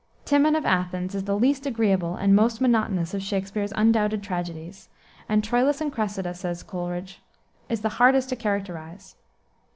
Timon of Athens is the least agreeable and most monotonous of Shakspere's undoubted tragedies, and Troilus and Cressida, said Coleridge, is the hardest to characterize.